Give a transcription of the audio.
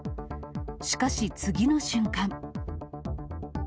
しかし次の瞬間。